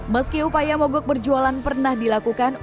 meski upaya mogok berjualan pernah dilakukan